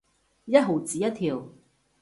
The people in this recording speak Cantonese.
一毫子一條